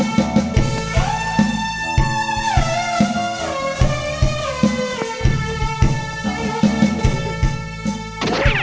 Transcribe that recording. เดี๋ยว